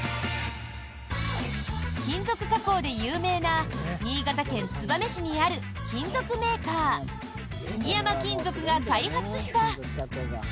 金属加工で有名な新潟県燕市にある金属メーカー杉山金属が開発した。